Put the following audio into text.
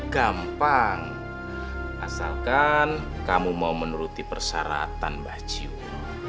gampang asalkan kamu mau menuruti persyaratan mba jiwo